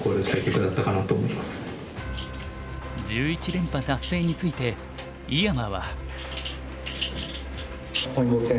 １１連覇達成について井山は。